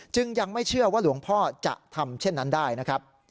ยังไม่เชื่อว่าหลวงพ่อจะทำเช่นนั้นได้นะครับ